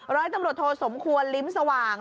ร้อยตำรวจโทสมควรลิ้มสว่าง